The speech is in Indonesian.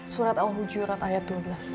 surat al hujurat ayat dua belas